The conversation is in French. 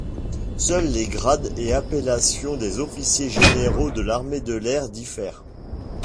Seuls les grades et appellations des officiers généraux de l'Armée de l'air diffèrent.